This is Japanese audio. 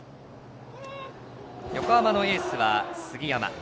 横浜のエースは杉山。